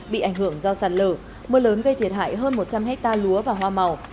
bị ảnh hưởng do sạt lở mưa lớn gây thiệt hại hơn một trăm linh hectare lúa và hoa màu